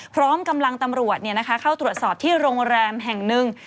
พร้อมกำลังตำรวจเข้าตรวจสอบที่โรงแรมแห่งหนึ่ง